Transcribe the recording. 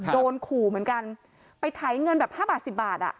โดนขู่เหมือนกันไปถ่ายเงินแบบห้าบาทสิบบาทอ่ะ